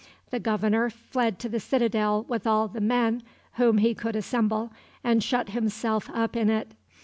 The governor fled to the citadel with all the men whom he could assemble, and shut himself up in it.